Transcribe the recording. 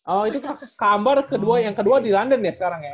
oh itu kabar yang kedua di london ya sekarang ya